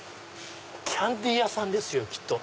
キャンディー屋さんですよきっと。